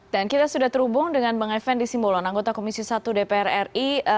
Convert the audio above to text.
kita sudah terhubung dengan bang effendi simbolon anggota komisi satu dpr ri